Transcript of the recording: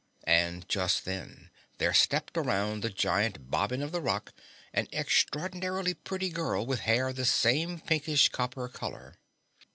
And just then there stepped around the giant bobbin of the rock an extraordinarily pretty girl with hair the same pinkish copper color.